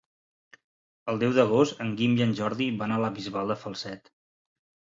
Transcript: El deu d'agost en Guim i en Jordi van a la Bisbal de Falset.